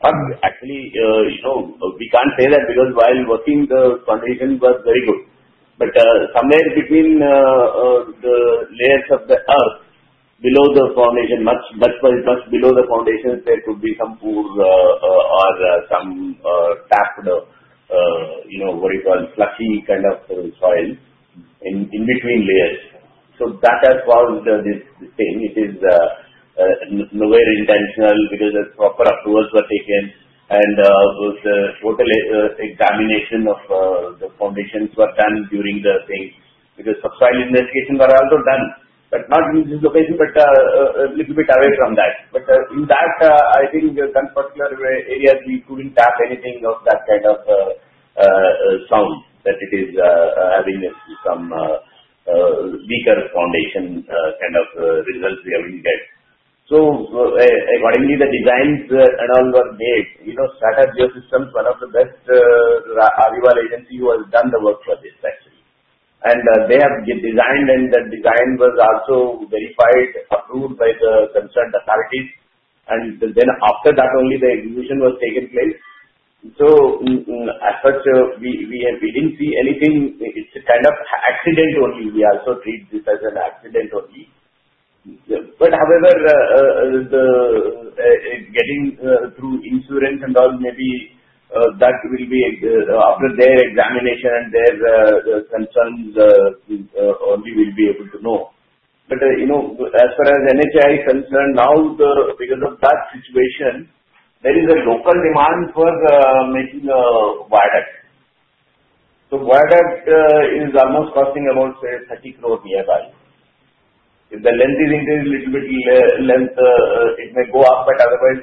But actually, we can't say that because while working, the foundation was very good. But somewhere between the layers of the earth below the foundation, much below the foundation, there could be some poor or some tap the what do you call, slushy kind of soil in between layers. So that has caused this thing. It is nowhere intentional because the proper approvals were taken and the total examination of the foundations were done during the thing because subsoil investigations are also done. But not in this location, but a little bit away from that. But in that, I think in some particular areas, we couldn't tap anything of that kind of sound that it is having some weaker foundation kind of results. We haven't get. Accordingly, the designs and all were made. Strata Geosystems, one of the best civil agencies, has done the work for this actually. They have designed, and the design was also verified, approved by the concerned authorities. Then after that, only the execution was taken place. As such, we didn't see anything. It's kind of accident only. We also treat this as an accident only. However, getting through insurance and all, maybe that will be after their examination and their concerns, only we will be able to know. As far as NHI is concerned, now because of that situation, there is a local demand for making a viaduct. Viaduct is almost costing about, say, 30 crores nearby. If the length is increased a little bit, it may go up. But otherwise,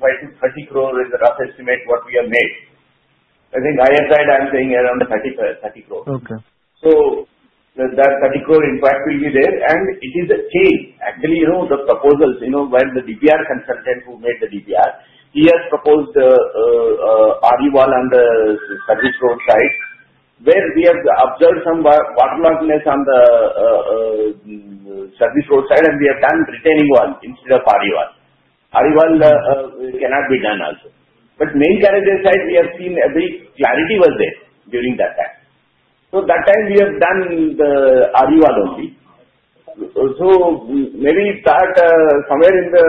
25-30 crores is a rough estimate what we have made. I think as I said, I'm saying around 30 crores. Okay. So that 30 crore, in fact, will be there. And it is a change. Actually, the proposals, when the DPR consultant who made the DPR, he has proposed the viaduct on the service road side where we have observed some waterloggedness on the service road side, and we have done retaining wall instead of viaduct. Viaduct cannot be done also. But main carriage side, we have seen every clarity was there during that time. So that time, we have done the viaduct only. So maybe that somewhere in the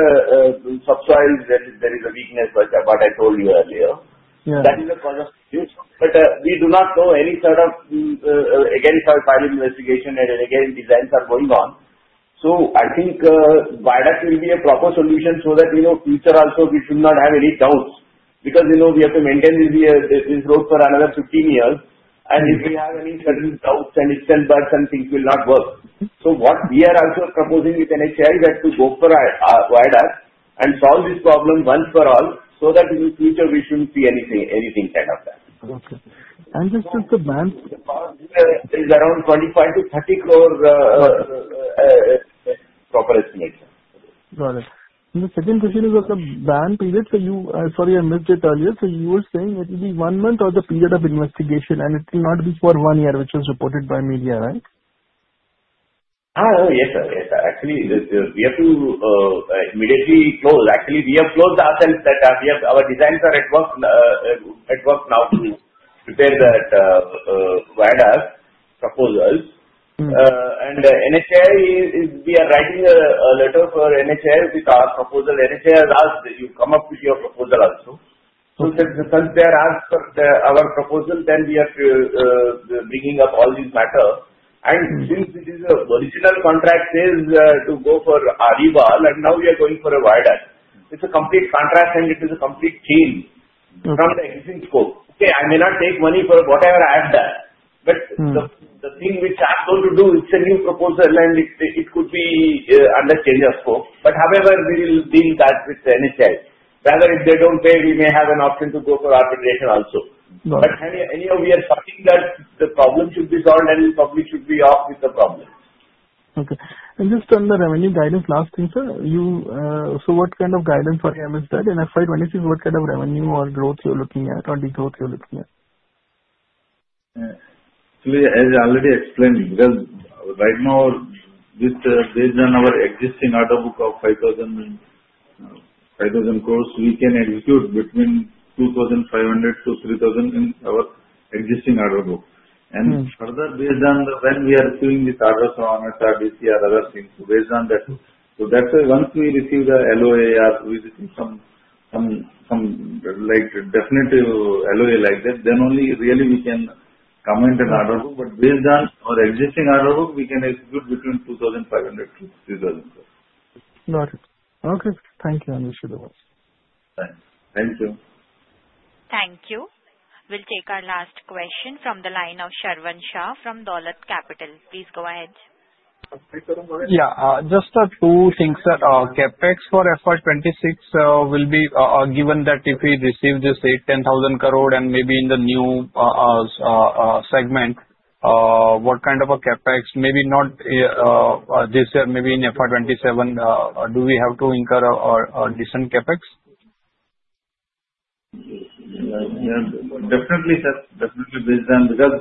subsoil, there is a weakness, what I told you earlier. That is the cause of issues. But we do not know any sort of again, for further investigation and again, designs are going on. So I think viaduct will be a proper solution so that in the future also, we should not have any doubts because we have to maintain this road for another 15 years. And if we have any certain doubts and it stands by, some things will not work. So what we are also proposing with NHAI is that to go for a viaduct and solve this problem once for all so that in the future, we shouldn't see anything kind of that. Okay. Just the BAN period is around 25-30 crores. Proper estimate. Got it. And the second question is about the BAN period. So, sorry, I missed it earlier. So you were saying it will be one month or the period of investigation, and it will not be for one year, which was reported by media, right? Yes, sir. Yes, sir. Actually, we have to immediately close. Actually, we have closed ourselves. Our designs are at work now to prepare that viaduct proposals. And NHI, we are writing a letter for NHI with our proposal. NHI has asked, "You come up with your proposal also." So since they are asked for our proposal, then we have to bring up all these matters. And since this is a original contract, says to go for arbitration, and now we are going for a viaduct. It's a complete contract, and it is a complete change from the existing scope. Okay, I may not take money for whatever I have done. But the thing which I'm going to do, it's a new proposal, and it could be under change of scope. But however, we will deal that with NHI. If they don't pay, we may have an option to go for arbitration also. But anyway, we are stating that the problem should be solved, and we probably should be over with the problem. Okay. And just on the revenue guidance, last thing, sir. So what kind of guidance for FY25 and FY26, what kind of revenue or growth you're looking at or the growth you're looking at? Actually, as I already explained, because right now, based on our existing order book of 5,000 crores, we can execute between 2,500 to 3,000 in our existing order book, and further, based on when we are doing this RSO, RSR, DCR, other things, based on that, so that's why once we receive the LOA or we receive some definitive LOA like that, then only really we can comment on order book, but based on our existing order book, we can execute between 2,500 to 3,000 crores. Got it. Okay. Thank you, Anish. Thank you. Thank you. We'll take our last question from the line of Shravan Shah from Dolat Capital. Please go ahead. Yeah. Just two things. CapEx for FY26 will be, given that if we receive this 8,000-10,000 crore and maybe in the new segment, what kind of a CapEx? Maybe not this year, maybe in FY27, do we have to incur a decent CapEx? Definitely, sir. Definitely based on because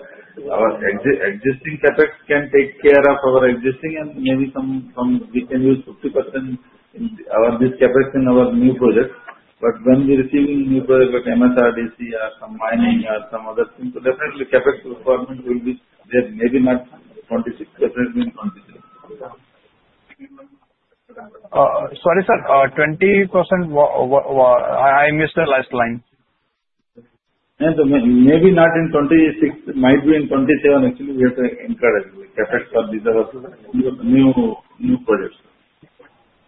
our existing CapEx can take care of our existing, and maybe we can use 50% of this CapEx in our new projects. But when we're receiving new projects like MSRDC, some mining, or some other things, so definitely CapEx requirement will be there. Maybe not 26% in 27. Sorry, sir. 20%? I missed the last line. Maybe not in 2026. Might be in 2027 actually. We have to incur CapEx for these other new projects.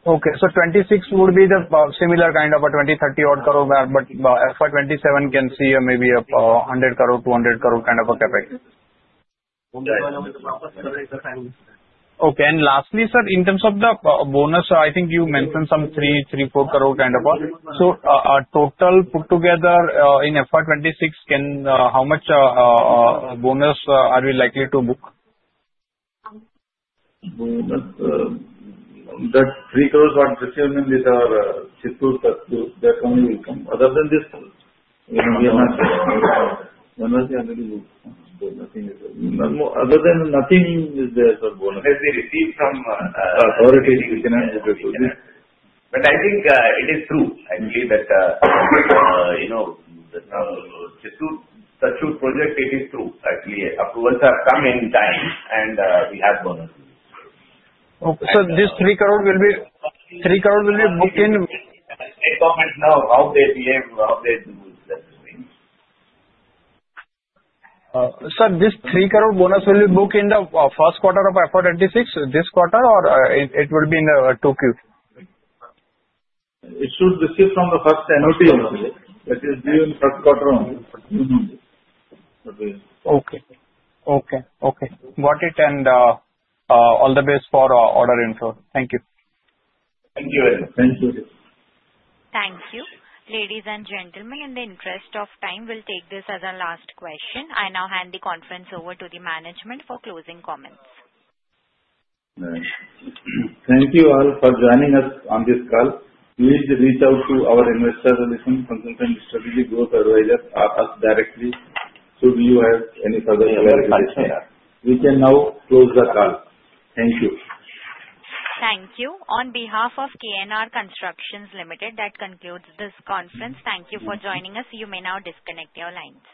Okay. So '26 would be the similar kind of a 20-30 odd crore, but FY27 can see maybe a 100-200 crore kind of a CapEx. Okay. And lastly, sir, in terms of the bonus, I think you mentioned some 3-4 crore kind of. So total put together in FY26, how much bonus are we likely to book? That INR 3 crores are presumed with our Chittoor Thatchur, that money will come. Other than this, we have not. Other than nothing is there for bonus. As we received from. Authorities, we cannot book it. But I think it is true actually that Chittoor Thatchur project, it is true actually. Approvals have come in time, and we have bonuses. Okay. So this 3 crore will be booked in. I comment now how they behave, how they do that thing. Sir, this 3 crore bonus will be booked in the first quarter of FY26, this quarter, or it will be in the 2Q? It should receive from the first. Notice. That is due in the first quarter only. Okay. Got it. And all the best for order inflow. Thank you. Thank you very much. Thank you. Ladies and gentlemen, in the interest of time, we'll take this as our last question. I now hand the conference over to the management for closing comments. Thank you all for joining us on this call. Please reach out to our investor relations, consultants, strategic growth advisors, or us directly should you have any further clarification. We can now close the call. Thank you. Thank you. On behalf of KNR Constructions Limited, that concludes this conference. Thank you for joining us. You may now disconnect your lines.